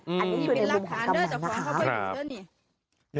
อันนี้คือในบุญของกำนันนะครับครับอันนี้คือในบุญของกำนันนะครับ